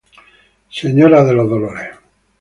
Señora de los Dolores" y "Jesús Nazareno".